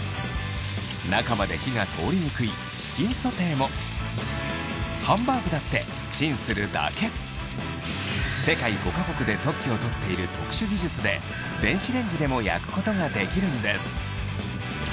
中まで火が通りにくいハンバーグだってチンするだけを取っている特殊技術で電子レンジでも焼くことができるんです